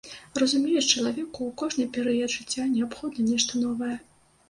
Разумееш, чалавеку ў кожны перыяд жыцця неабходна нешта новае.